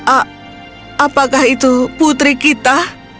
apakah itu putri kita